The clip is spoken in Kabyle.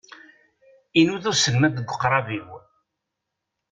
Inuda uselmad deg uqrab-iw.